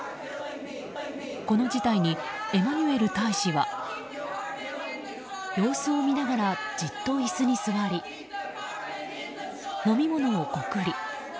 この事態にエマニュエル大使は様子を見ながらじっと椅子に座り飲み物をごくり。